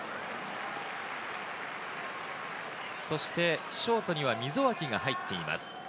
そしてショートには溝脇が入っています。